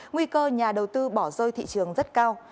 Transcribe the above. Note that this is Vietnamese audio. nguy cơ nhà đầu tư bỏ rơi thị trường rất cao